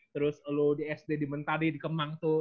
terus lu di sd di mentade di kemang tuh